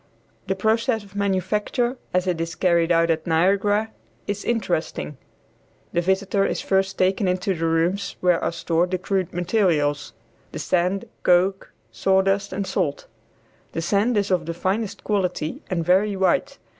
The process of manufacture as it is carried on at Niagara is interesting. The visitor is first taken into the rooms where are stored the crude material, the sand, coke, sawdust and salt. The sand is of the finest quality and very white.